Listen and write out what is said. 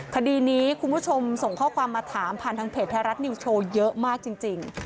คดีนี้คุณผู้ชมส่งข้อความมาถามผ่านทางเพจไทยรัฐนิวโชว์เยอะมากจริง